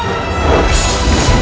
terima kasih tuan